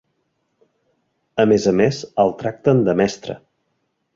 A més a més, el tracten de mestre.